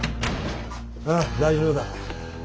ああ大丈夫だ。